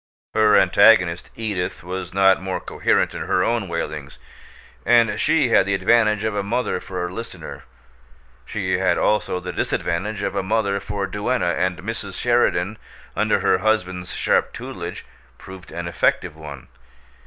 Her antagonist, Edith, was not more coherent in her own wailings, and she had the advantage of a mother for listener. She had also the disadvantage of a mother for duenna, and Mrs. Sheridan, under her husband's sharp tutelage, proved an effective one.